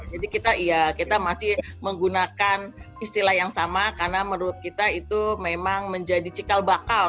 jadi kita iya kita masih menggunakan istilah yang sama karena menurut kita itu memang menjadi cikal bakal